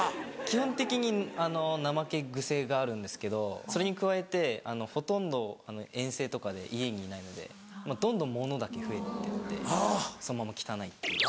基本的に怠けグセがあるんですけどそれに加えてほとんど遠征とかで家にいないのでどんどん物だけ増えてってそのまま汚いっていう。